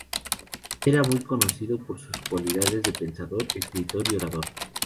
Era muy conocido por sus cualidades de pensador, escritor y orador.